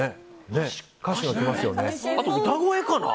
あと、歌声かな。